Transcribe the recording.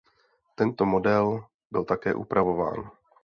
Tento model byl také upravován.